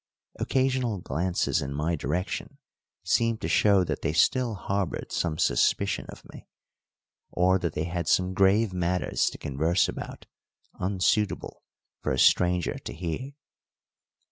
Occasional glances in my direction seemed to show that they still harboured some suspicion of me, or that they had some grave matters to converse about unsuitable for a stranger to hear.